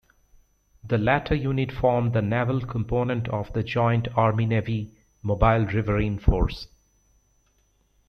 The latter unit formed the naval component of the joint Army-Navy Mobile Riverine Force.